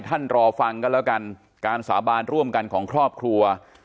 รอฟังกันแล้วกันการสาบานร่วมกันของครอบครัว